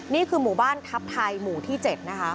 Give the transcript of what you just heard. นี่คือหมู่บ้านทัพไทยหมู่ที่๗นะคะ